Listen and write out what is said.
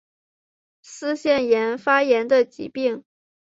腮腺炎发炎的疾病。